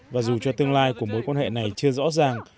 và dù cho tương lai của mối quan hệ này chưa rõ ràng